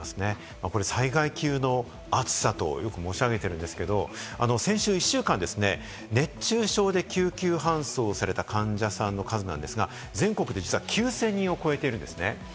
災害級の暑さとよく申し上げているんですけれども、先週１週間で熱中症で救急搬送された患者さんの数なんですが、全国で実は９０００人を超えているんですね。